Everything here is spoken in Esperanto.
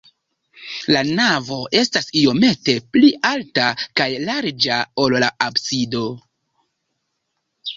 La navo estas iomete pli alta kaj larĝa, ol la absido.